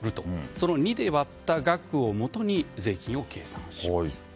その２で割った額をもとに税金を計算します。